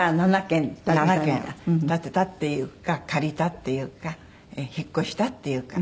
７軒建てたっていうか借りたっていうか引っ越したっていうか。